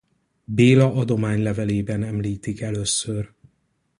Béla adománylevelében említik először.